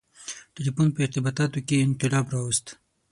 • ټیلیفون په ارتباطاتو کې انقلاب راوست.